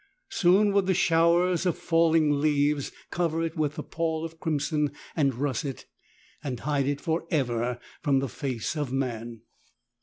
Soon would the showers of falling leaves cover it with a pall of crimson and russet and hide it for ever from the face of. man.